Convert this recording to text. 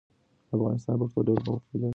د افغانستان پښتو ډېره پرمختللې ده.